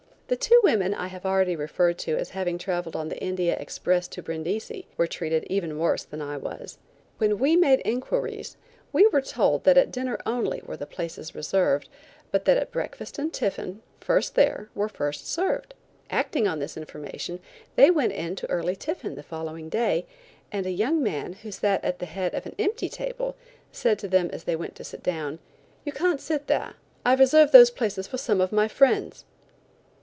The two women I have already referred to as having traveled on the India Express to Brindisi, were treated even worse than I was. When we made inquiries, we were told that at dinner only were the places reserved, but that at breakfast and tiffin, first there were first served. Acting on this information they went in to early tiffin the following day, and a young man who sat at the head of an empty table said to them as they went to sit down: "You can't sit there. I've reserved those places for some of my friends."